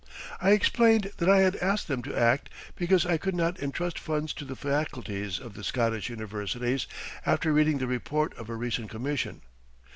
I explained that I had asked them to act because I could not entrust funds to the faculties of the Scottish universities after reading the report of a recent commission.